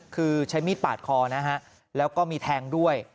คือใช้มีดปาดคอนะฮะแล้วก็มีแทงด้วย